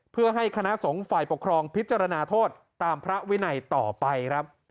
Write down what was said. เพื่อให้คณะสงฆ์ฝ่ายปกครองพิจารณาโทษตามพระวินัยต่อไปครับ